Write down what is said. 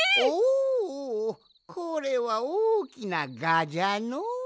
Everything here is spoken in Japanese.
おこれはおおきなガじゃのう。